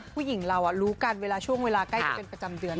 ผู้หญิงเรารู้กันเวลาช่วงเวลาใกล้จะเป็นประจำเดือน